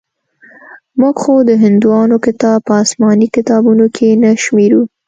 موږ خو د هندوانو کتاب په اسماني کتابونو کښې نه شمېرو.